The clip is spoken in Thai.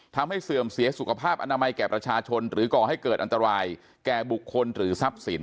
เสื่อมเสียสุขภาพอนามัยแก่ประชาชนหรือก่อให้เกิดอันตรายแก่บุคคลหรือทรัพย์สิน